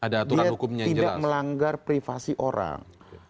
dia tidak melanggar privasi orang